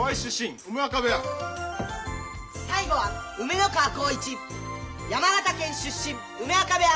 最後は梅ノ川光一山形県出身梅若部屋。